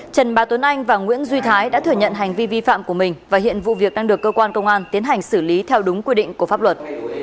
trần bà tuấn anh và nguyễn duy thái đã thừa nhận hành vi vi phạm của mình và hiện vụ việc đang được cơ quan công an tiến hành xử lý theo đúng quy định của pháp luật